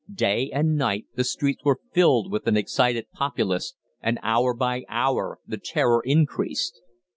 Day and night the streets were filled with an excited populace, and hour by hour the terror increased.